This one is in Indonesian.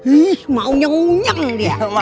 ih mau nyeng nyeng dia